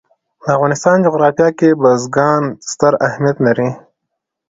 د افغانستان جغرافیه کې بزګان ستر اهمیت لري.